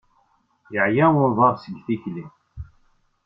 Yeɛya uḍar seg tikli.